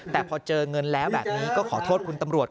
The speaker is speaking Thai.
แต่พอเจอเงินแล้วแบบนี้ก็ขอโทษคุณตำรวจ